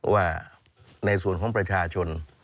ว่าในส่วนของประชาชน